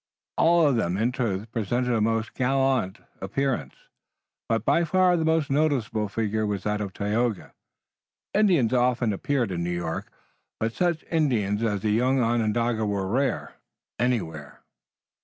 All of them, in truth, presented a most gallant appearance, but by far the most noticeable figure was that of Tayoga. Indians often appeared in New York, but such Indians as the young Onondaga were rare anywhere.